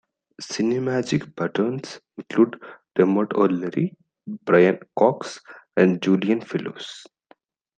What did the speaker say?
Cinemagic's patrons include Dermot O'Leary, Brian Cox and Julian Fellowes.